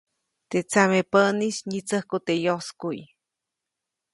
Teʼ tsamepäʼnis nyitsäjku teʼ yoskuʼy.